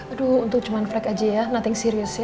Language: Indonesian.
aduh untuk cuman flag aja ya nothing serious ya